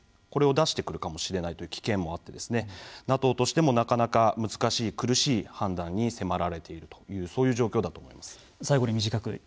これを出してくるかもしれないという危険があってＮＡＴＯとしてもなかなか難しい苦しい判断に迫られているという最後に短く。